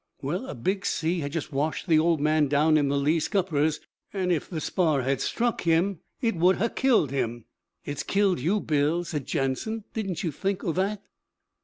'Well, a big sea had just washed the Old Man down in the lee scuppers, an' if the spar had struck him it would ha' killed him.' 'It's killed you, Bill,' said Jansen. 'Didn't you think o' that?'